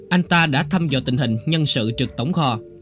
anh ta đã thăm dò tình hình nhân sự trực tổng kho